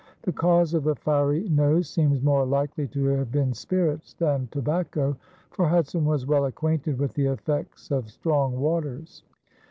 The cause of the fiery nose seems more likely to have been spirits than tobacco, for Hudson was well acquainted with the effects of strong waters.